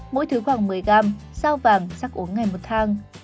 mỗi thứ khoảng một mươi gram sao vàng sắc uống ngày một thang